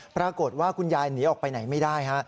ปรากฏว่าคุณยายหนีออกไปไหนไม่ได้ฮะ